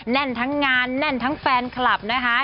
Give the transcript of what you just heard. แน่นทั้งงานแน่นทั้งแฟนคลับนะคะ